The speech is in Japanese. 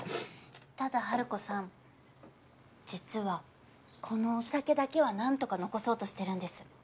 ただハルコさん実はこのお酒だけは何とか残そうとしてるんです。